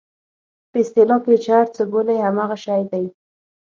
په اصطلاح کې چې یې هر څه بولئ همغه شی دی.